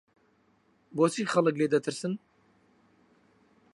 بۆچی خەڵک لێت دەترسن؟